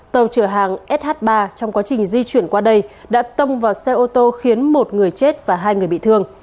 tàu chở hàng sh ba trong quá trình di chuyển qua đây đã tông vào xe ô tô khiến một người chết và hai người bị thương